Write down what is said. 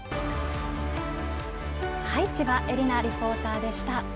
千葉絵里菜リポーターでした。